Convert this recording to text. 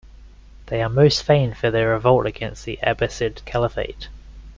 They are most famed for their revolt against the Abbasid Caliphate.